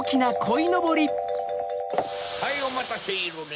はいおまたせいろね。